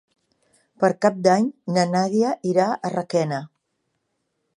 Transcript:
Per Cap d'Any na Nàdia irà a Requena.